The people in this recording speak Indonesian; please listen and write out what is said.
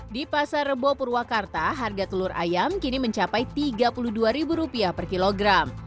di pasar rebo purwakarta harga telur ayam kini mencapai rp tiga puluh dua per kilogram